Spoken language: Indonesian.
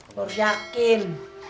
lu harus yakin